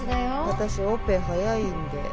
私オペ早いんで。